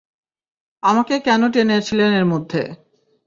আমাকে কেন টেনেছিলেন এর মধ্যে!